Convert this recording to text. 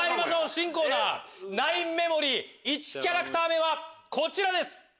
新コーナーナインメモリー１キャラクター目はこちらです。